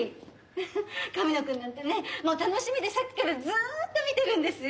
フフッ神野くんなんてねもう楽しみでさっきからずーっと見てるんですよ。